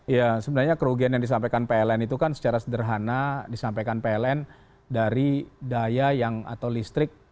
ya sebenarnya kerugian yang disampaikan pln itu kan secara sederhana disampaikan pln dari daya yang atau listrik